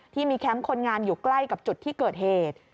แคมป์คนงานอยู่ใกล้กับจุดที่เกิดเหตุ